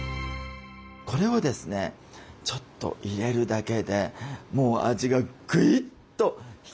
これをですねちょっと入れるだけでもう味がグイッと引き立つんですよね。